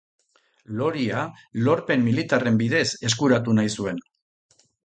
Loria lorpen militarren bidez eskuratu nahi zuen.